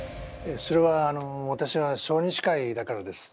それはあのわたしは小児歯科医だからです。